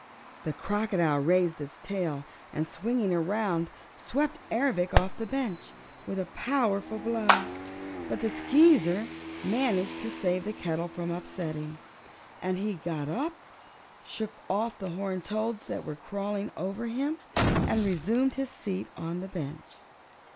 The crocodile raised its tail and, swinging around, swept Ervic off the bench with a powerful blow. But the Skeezer managed to save the kettle from upsetting and he got up, shook off the horned toads that were crawling over him and resumed his seat on the bench.